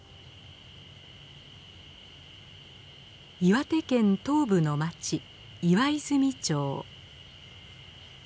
岩手県東部の町岩泉町。